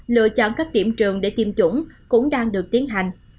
lựa chọn các điểm trường để tiêm chủng cũng đang được tiến hành